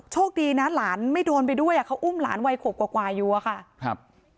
โชคดีนะหลานไม่โดนไปด้วยอาจอุ้มหลานไวขบกว่ายัวค่ะ